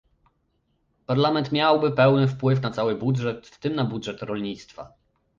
Parlament miałby pełny wpływ na cały budżet, w tym na budżet rolnictwa